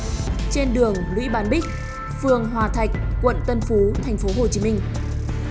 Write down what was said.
trên đường lũy bán bích phường hòa thạch quận tân phú thành phố hồ chí minh